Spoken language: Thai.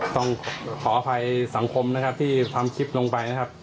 ต้องขออภัยสังคมนะครับที่ทำคลิปลงไปนะครับ